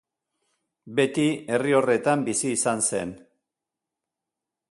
Beti herri horretan bizi izan zen.